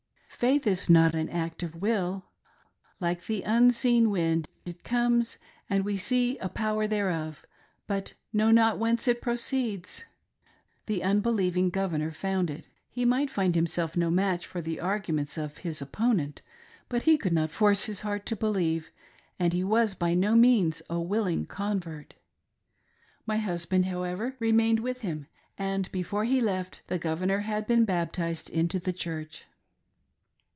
Faith is not an act of the will. Like the unseen wind, it comes, and we see the power thereof, but know not whence it proceeds. Thus at first the unbelieving Governor found it — he might find himself no match for the arguments of his opponent, but he could not force his heart to believe, and he was by no means a willing convert. My husband, hqwever, remained with him, and before he left, the Governor had been baptized into the Church.